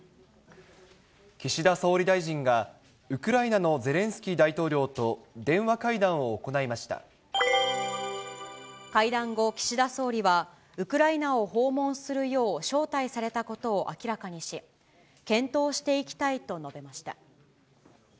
岸田総理大臣がウクライナのゼレンスキー大統領と電話会談を会談後、岸田総理はウクライナを訪問するよう招待されたことを明らかにし、検討していきたいと述べました。